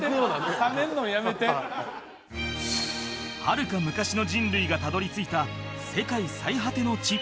冷めんのやめてはるか昔の人類がたどり着いた世界最果ての地